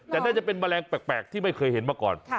แต่น่าจะเป็นแมลงแปลกที่ไม่เคยเห็นมาก่อน